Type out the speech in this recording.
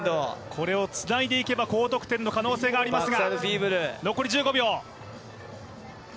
これをつないでいけば高得点の可能性がありますが。